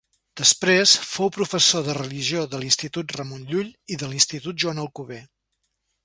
Després, fou professor de religió a l'Institut Ramon Llull i de l'Institut Joan Alcover.